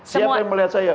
siapa yang melihat saya